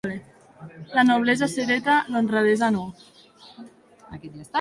La noblesa s'hereta, l'honradesa, no.